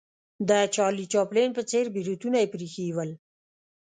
د چارلي چاپلین په څېر بریتونه یې پرې ایښې ول.